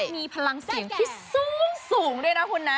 มีพลังเสียงที่สูงด้วยนะคุณนะ